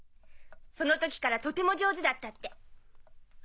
その時からとても上手だったって。